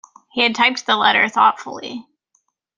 He had typed the letter thoughtfully.